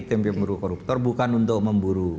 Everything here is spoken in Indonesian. tim pemburu koruptor bukan untuk memburu